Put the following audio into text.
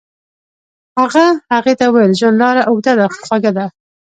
هغه هغې ته وویل ژوند لاره اوږده خو خوږه ده.